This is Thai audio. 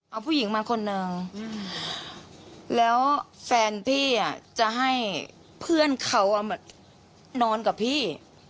เอาผู้หญิงมาคนนึงแล้วแฟนพี่จะให้เพื่อนเขานอนกับพี่